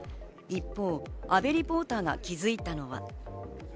一方、阿部リポーターが気づいたのは。